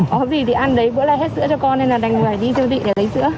có gì thì ăn đấy bữa nay hết sữa cho con nên là đành về đi siêu thị để lấy sữa